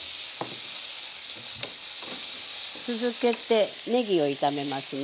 続けてねぎを炒めますね。